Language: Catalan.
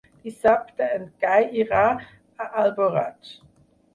Dissabte en Cai irà a Alboraig.